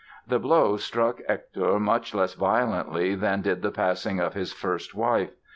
The blow struck Hector much less violently than did the passing of his first wife.